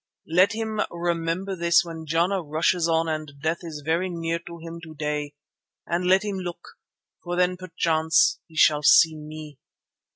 Let him remember this when Jana rushes on and death is very near to him to day, and let him look—for then perchance he shall see me.